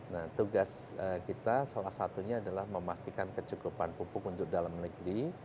nah tugas kita salah satunya adalah memastikan kecukupan pupuk untuk dalam negeri